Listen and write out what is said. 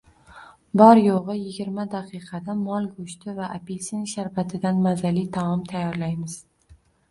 Bor-yo‘g‘iyigirmadaqiqada mol go‘shti va apelsin sharbatidan mazali taom tayyorlaymiz